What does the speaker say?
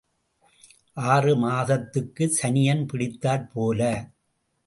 ஆறு மாதத்துக்குச் சனியன் பிடித்தாற் போல.